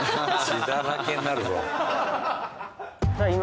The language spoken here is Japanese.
血だらけになるぞ。